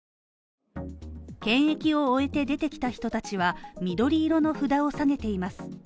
検疫を終えて出てきた人たちは、緑色の札をさげています。